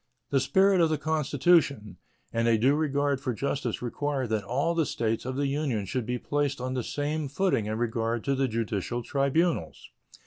The spirit of the Constitution and a due regard to justice require that all the States of the Union should be placed on the same footing in regard to the judicial tribunals.